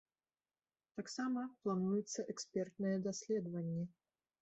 Таксама плануюцца экспертныя даследаванні.